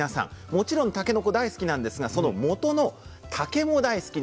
もちろんたけのこ大好きなんですがそのもとの竹も大好き。